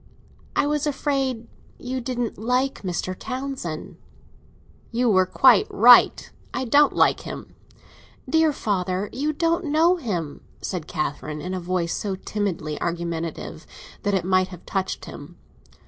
"I was afraid you didn't like Mr. Townsend." "You were quite right. I don't like him." "Dear father, you don't know him," said Catherine, in a voice so timidly argumentative that it might have touched him.